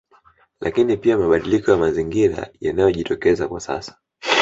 Lakini pia mabadiliko ya Mazingira yanayojitokeza kwa sasa